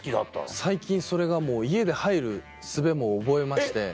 最近それがもう家で入るすべも覚えまして。